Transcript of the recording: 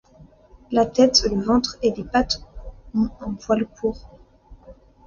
La tête, le ventre et les pattes ont un poil court.